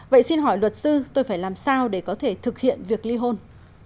vậy xin hỏi luật sư tôi phải làm sao để có thể thực hiện việc ly hôn